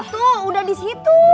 tuh udah di situ